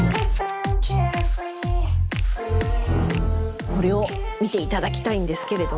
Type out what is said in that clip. これを見て頂きたいんですけれども。